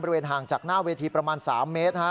ห่างจากหน้าเวทีประมาณ๓เมตร